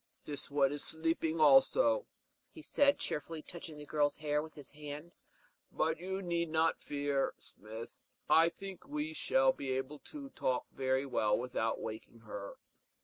"This one is sleeping also," he said cheerfully, touching the girl's hair with his hand. "But you need not fear, Smith; I think we shall be able to talk very well without waking her."